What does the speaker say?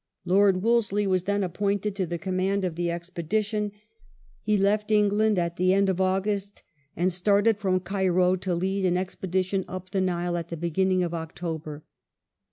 Lord Wolseley was then appointed to the command of the expedition ; he left England at the end of August and started from Cairo to lead an expedition up the Nile at the beginning of October.